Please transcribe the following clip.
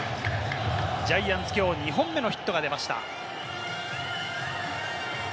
ジャイアンツ、きょう２本目のヒットが出ました。